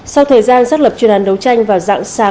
sau thời gian xác lập truyền hàn đấu tranh vào dạng sáng